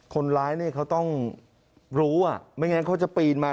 คนร้ายต้องรู้หรือเขาจะปีนมา